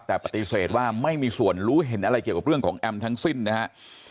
แต่ปฏิเสธว่าไม่มีส่วนรู้เห็นอะไรเกี่ยวกับเรื่องของแอมทั้งสิ้นนะฮะ